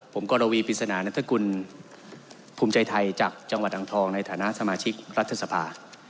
ผมกรวีปริศนานัฐกุลภูมิใจไทยจากจังหวัดอังทองในฐานะสมาชิกรัฐสภา